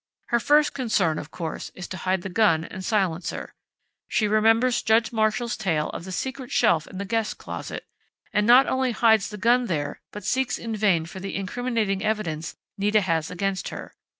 Her first concern, of course, is to hide the gun and silencer. She remembers Judge Marshall's tale of the secret shelf in the guest closet, and not only hides the gun there but seeks in vain for the incriminating evidence Nita has against her.